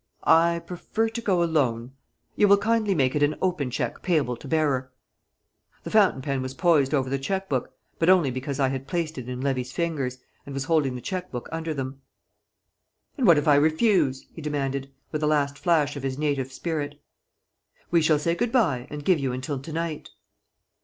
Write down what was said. "I prefer to go alone. You will kindly make it an open cheque payable to bearer." The fountain pen was poised over the chequebook, but only because I had placed it in Levy's fingers, and was holding the cheque book under them. "And what if I refuse?" he demanded, with a last flash of his native spirit. "We shall say good bye, and give you until to night."